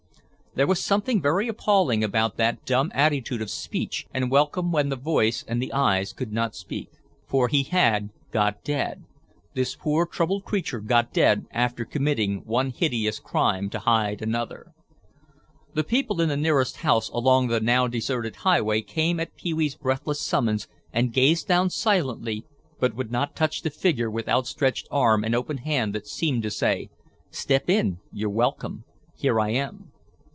There was something very appalling about that dumb attitude of speech and welcome when the voice and the eyes could not speak. For he had "got dead," this poor troubled creature; "got dead" after committing one hideous crime to hide another. [Illustration: PEE WEE SUMMONED THE NEAREST PEOPLE TO THE OLD SHACK.] The people in the nearest house along the now deserted highway came at Pee wee's breathless summons and gazed down silently but would not touch the figure with outstretched arm and opened hand that seemed to say, "Step in, you're welcome, here I am."